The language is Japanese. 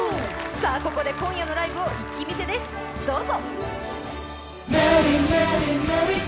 ここで今夜のライブを一気見せです、どうぞ。